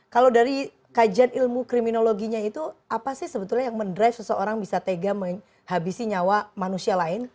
kalau dari kajian ilmu kriminologinya itu apa sih sebetulnya yang mendrive seseorang bisa tega menghabisi nyawa manusia lain